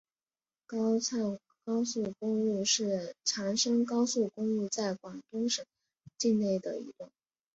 天汕高速公路是长深高速公路在广东省境内的一段。